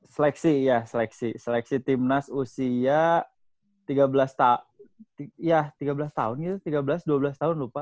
seleksi ya seleksi seleksi timnas usia tiga belas tahun gitu tiga belas dua belas tahun lupa